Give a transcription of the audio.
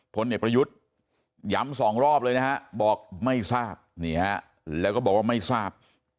ผลเอกประยุทธ์ย้ำ๒รอบเลยนะครับบอกไม่ทราบแล้วก็บอกว่าไม่ทราบ